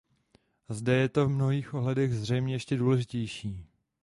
Zde je to v mnohých ohledech zřejmě ještě důležitější.